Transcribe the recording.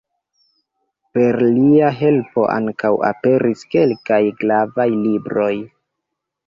Per lia helpo ankaŭ aperis kelkaj gravaj libroj.